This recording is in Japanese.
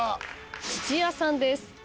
土屋さんです。